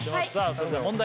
それでは問題